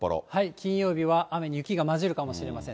金曜日は雨に雪が交じるかもしれません。